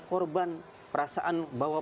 korban perasaan bahwa